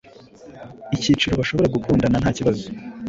icyiciro bashobora gukundana ntakibazo